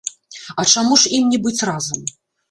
А чаму ж ім не быць разам?